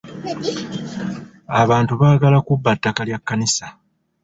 Abantu baagala kubba ttaka lya kkanisa.